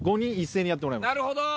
なるほど。